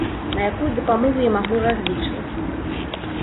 На якую дапамогу я магу разлічваць?